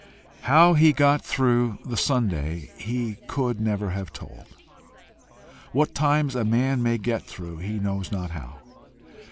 How he got through the Sunday he never could have told. What times a man may get through he knows not how!